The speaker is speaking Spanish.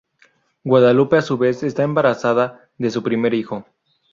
Guadalupe a su vez está embarazada de su primer hijo.